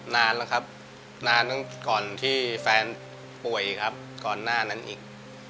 นานแล้วครับนานตั้งก่อนที่แฟนป่วยครับก่อนหน้านั้นอีก